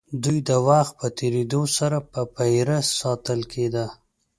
دوی د وخت په تېرېدو سره په پېره ساتل کېدل.